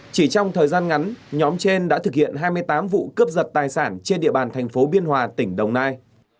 chỉ trong thời gian ngắn nhóm trên đã thực hiện hai mươi tám vụ cướp giật tài sản trên địa bàn thành phố biên hòa tỉnh đồng nai